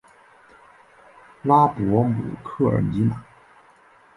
拉博姆科尔尼朗。